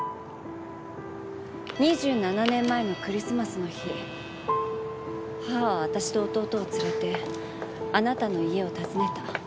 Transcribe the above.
２７年前のクリスマスの日母は私と弟を連れてあなたの家を訪ねた。